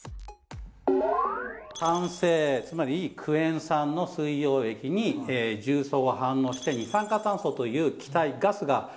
酸性つまりクエン酸の水溶液に重曹が反応して二酸化炭素という気体ガスが発生する。